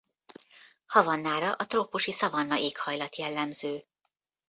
Havannára a trópusi szavanna éghajlat jellemző.